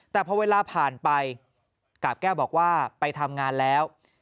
แต่พอเวลาผ่านไปกาบแก้วบอกว่าไปทำงานแล้ว